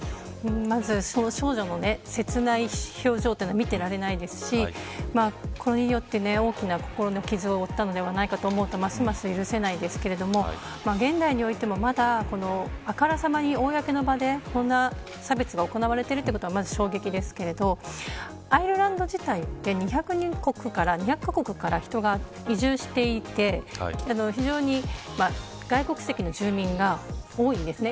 まず、少女の切ない表情は見てられないですしこれによって大きな心の傷を負ったのではないかと思うとますます許せないですけど現代においても、まだあからさまに、公の場でこんな差別が行われているのが衝撃ですけどアイルランド自体は２００カ国から人が移住していて外国籍の住民が多いんです。